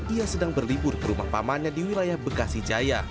ia sedang berlibur ke rumah pamannya di wilayah bekasi jaya